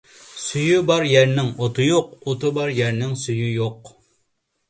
سۈيى بار يەرنىڭ ئوتى يوق، ئوتى بار يەرنىڭ سۈيى يوق.